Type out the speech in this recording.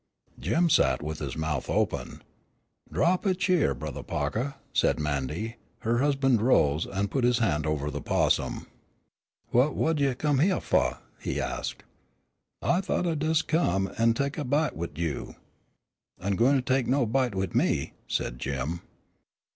Jim sat with his mouth open. "Draw up a cheer, Brothah Pahkah," said Mandy. Her husband rose, and put his hand over the possum. "Wha wha'd you come hyeah fu'?" he asked. "I thought I'd des' come in an' tek a bite wid you." "Ain' gwine tek no bite wid me," said Jim.